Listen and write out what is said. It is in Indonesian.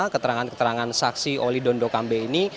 keterangan keterangan saksi oli dondokambe ini